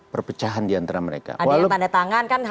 perpecahan diantara mereka ada yang tanda tangan kan